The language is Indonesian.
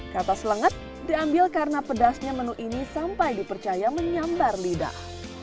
kata selenget diambil karena pedasnya menu ini sampai dipercaya menyambar lidah